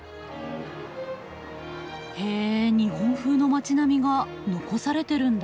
へえ日本風の町並みが残されてるんだ。